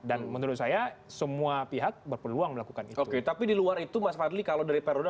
dan menurut saya semua pihak berpeluang melakukan oke tapi di luar itu mas fadli kalau dari perut